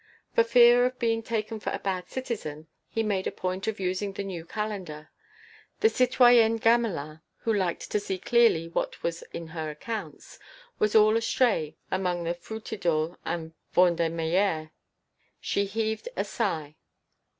For fear of being taken for a bad citizen, he made a point of using the new calendar. The citoyenne Gamelin, who liked to see clearly what was what in her accounts, was all astray among the Fructidors and Vendémiaires. She heaved a sigh.